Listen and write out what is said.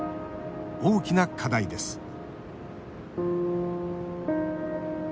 大きな課題です